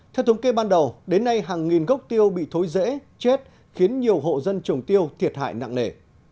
theo thống kê ban đầu đến nay hàng nghìn gốc tiêu bị thối rễ chết khiến nhiều hộ dân trồng tiêu thiệt hại nặng nề